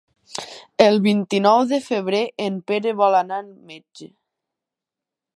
El vint-i-nou de febrer en Pere vol anar al metge.